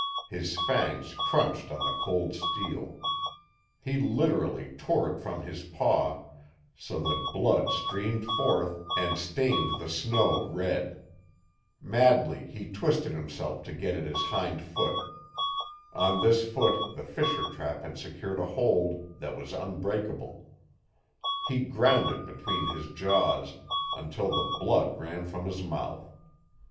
His fangs crunched on the cold steel; he literally tore it from his paw so that blood streamed forth and strained the snow red. Madly he twisted himself to get at his hind foot. On this foot the fisher trap had secured a hold that was unbreakable. He ground it between his jaws until the blood ran from his mouth.